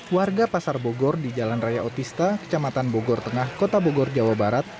warga pasar bogor di jalan raya otista kecamatan bogor tengah kota bogor jawa barat